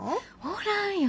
おらんよ。